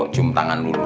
jum tangan dulu